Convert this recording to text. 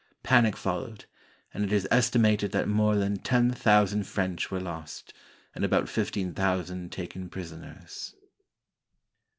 Panic followed, and it is estimated that more than ten thousand French were lost, and about fifteen thousand taken prisoners.